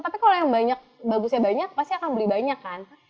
tapi kalau yang bagusnya banyak pasti akan beli banyak kan